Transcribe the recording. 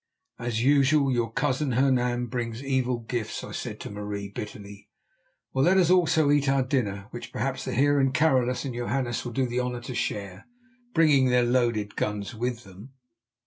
"As usual, your cousin Hernan brings evil gifts," I said to Marie bitterly. "Well, let us also eat our dinner, which perhaps the Heeren Carolus and Johannes will do us the honour to share—bringing their loaded guns with them."